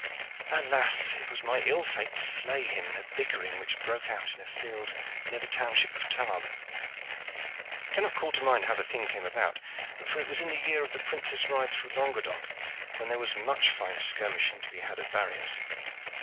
"Alas! it was my ill fate to slay him in a bickering which broke out in a field near the township of Tarbes. I cannot call to mind how the thing came about, for it was in the year of the Prince's ride through Languedoc, when there was much fine skirmishing to be had at barriers.